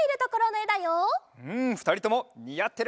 うんふたりともにあってる！